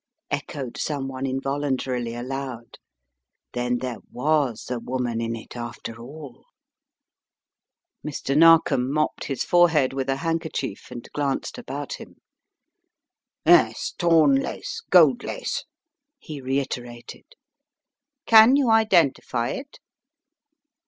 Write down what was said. echoed someone involuntarily aloud Then there was a woman in it, after all ! Mr. Narkom mopped his forehead with a handker chief and glanced about him. "Yes, torn lace, gold lace," he reiterated. "Can you identify it?"